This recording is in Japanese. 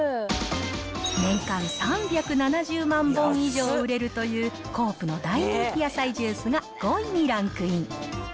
年間３７０万本以上売れるというコープの大人気野菜ジュースが５位にランクイン。